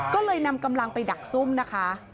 ก็เลยนำกำลังไปดักซุ่มนะคะ